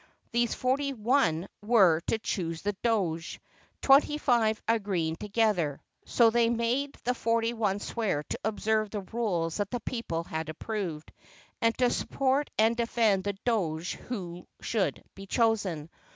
These forty one were to choose the Doge, twenty five agreeing together. So they made the forty one swear to observe the rules that the people had approved, and to support and de fend the Doge who should be chosen.